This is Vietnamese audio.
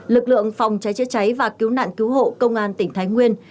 lực lượng phòng cháy chữa cháy và cứu nạn cứu hộ công an tỉnh thái nguyên